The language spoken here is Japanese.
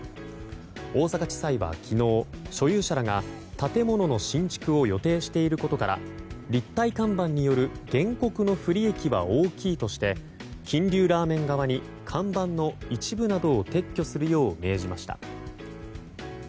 大阪地裁は昨日所有者らが建物の新築を予定していることから立体看板による原告の不利益は大きいとして金龍ラーメン側に看板の一部などを撤去するよう命じました。